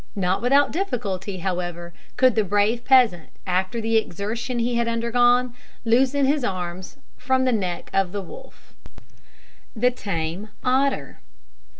Not without difficulty, however, could the brave peasant, after the exertion he had undergone, loosen his arms from the neck of the wolf. THE TAME OTTER.